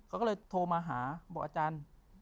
เขาก็เลยโทรมาหาบอกอาจารย์